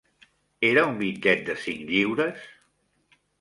Era un bitllet de cinc lliures?